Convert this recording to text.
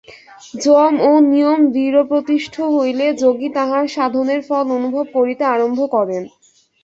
যম ও নিয়ম দৃঢ়প্রতিষ্ঠ হইলে যোগী তাঁহার সাধনের ফল অনুভব করিতে আরম্ভ করেন।